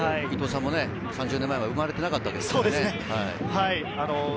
伊藤さんも３０年前は生まれてなかったわけですよね。